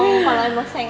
itu aku yang pengecekan